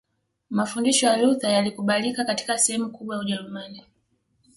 Mafundisho ya Luther yalikubalika katika sehemu kubwa ya Ujerumani